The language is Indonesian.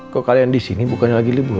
kok kalian disini bukannya lagi liburan